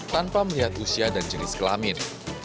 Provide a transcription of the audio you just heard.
tanpa melihat usia dan jenis kelamin